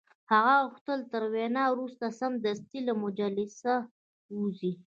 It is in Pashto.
هغه غوښتل تر وینا وروسته سمدستي له مجلسه ووځي